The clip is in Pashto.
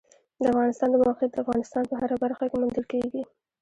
د افغانستان د موقعیت د افغانستان په هره برخه کې موندل کېږي.